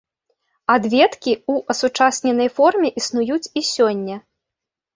Адведкі ў асучасненай форме існуюць і сёння.